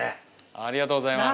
ありがとうございます。